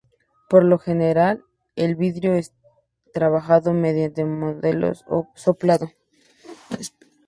Por lo general el vidrio es trabajado mediante moldes o soplado.